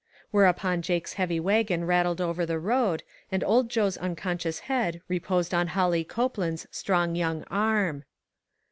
Whereupon Jake's heavy wagon rattled over the road, and old Joe's unconscious head reposed on Holly Copeland's strong young arm.